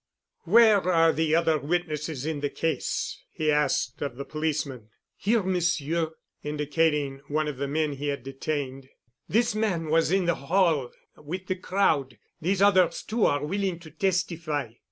"Where are the other witnesses in the case?" he asked of the policeman. "Here, Monsieur," indicating one of the men he had detained. "This man was in the hall with the crowd. These others too are willing to testify."